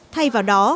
thay vào đó